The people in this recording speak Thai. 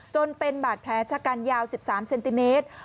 จนเป็นบาดแผลชะกันยาว๑๓เซนติเมตร